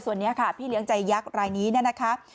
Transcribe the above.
ส่วนนี้ค่ะพี่เลี้ยงใจยักษ์รายนี้เนี่ยนะคะ